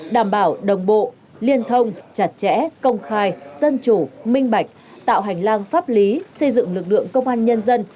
đảm bảo đồng bộ liên thông chặt chẽ công khai dân chủ minh bạch tạo hành lang pháp lý xây dựng lực lượng công an nhân dân